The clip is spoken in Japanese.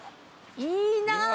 いいな。